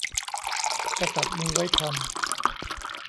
กษัตริย์มีไว้ทำ